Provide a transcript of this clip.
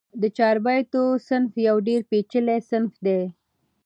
د چاربیتو صنف یو ډېر پېچلی صنف دئ.